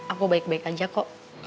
aku baik baik aja kok